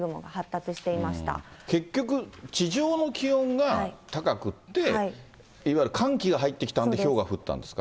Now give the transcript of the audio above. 結局、地上の気温が高くって、いわゆる寒気が入ってきたんで、ひょうが降ったんですか？